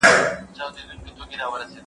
مسواک وهل یو داسې عمل دی چې الله پرې خوښیږي.